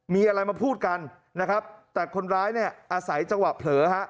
มีอะไรมาพูดกันนะครับแต่คนร้ายเนี่ยอาศัยจังหวะเผลอฮะ